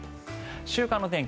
週間の天気